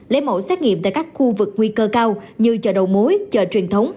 lấy mẫu xét nghiệm tại các khu vực nguy cơ cao như chợ đầu mối chợ truyền thống